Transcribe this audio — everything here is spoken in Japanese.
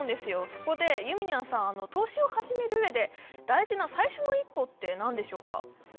そこでゆみにゃんさん投資を始めるうえで大事な最初の一歩って何でしょうか？